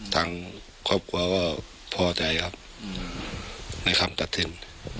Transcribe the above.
ทางครอบครัวก็พอใจครับในคำตัดสิน